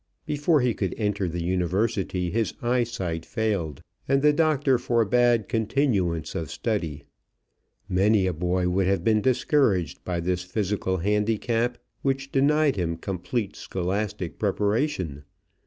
Before he could enter the university his eyesight failed, and the doctor forbade continuance of study. Many a boy would have been discouraged by this physical handicap which denied him complete scholastic preparation.